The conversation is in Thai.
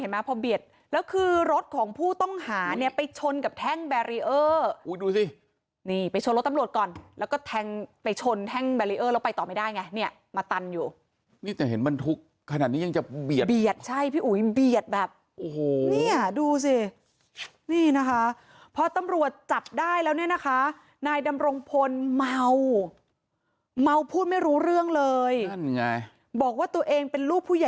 ไปดูภาพจังหวะนั้นเพิ่มเติมค่ะ